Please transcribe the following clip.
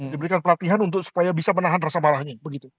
diberikan pelatihan untuk supaya bisa menahan rasa marahnya